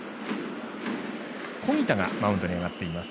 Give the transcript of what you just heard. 小木田がマウンドに上がっています。